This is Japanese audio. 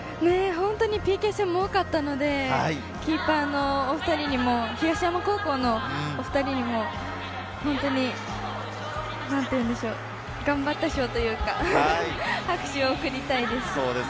ＰＫ戦も多かったので、キーパーのお２人にも、東山高校のお２人にも、本当に頑張った賞というか、拍手を送りたいです。